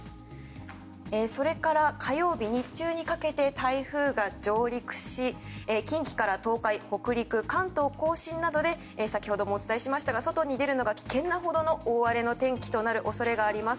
それから、火曜日日中にかけて台風が上陸し近畿から東海北陸、関東・甲信などで先ほどもお伝えしましたが外に出るのが危険なほどの大荒れの天気となる恐れがあります。